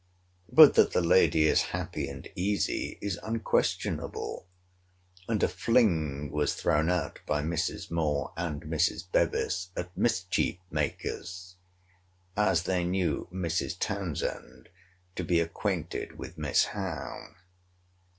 But that the lady is happy and easy, is unquestionable: and a fling was thrown out by Mrs. Moore and Mrs. Bevis at mischief makers, as they knew Mrs. Townsend to be acquainted with Miss Howe.